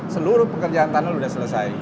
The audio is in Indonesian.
seluruh pekerjaan tunnel sudah selesai